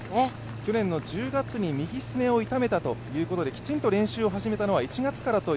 去年の１０月に右すねを痛めたということできちんと練習を始めたのは１月からという